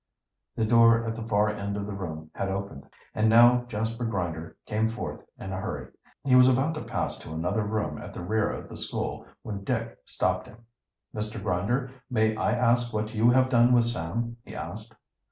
The door at the far end of the room had opened, and now Jasper Grinder came forth in a hurry. He was about to pass to another room at the rear of the school when Dick stopped him. "Mr. Grinder, may I ask what you have done with Sam?" he asked.